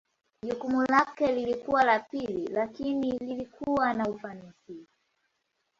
Jukumu lake lilikuwa la pili lakini lilikuwa na ufanisi.